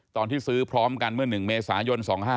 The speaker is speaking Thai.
ตอนที่ซื้อพร้อมกันเมื่อ๑เมษายน๒๕๕๙